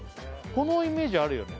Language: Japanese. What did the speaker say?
このイメージあるよね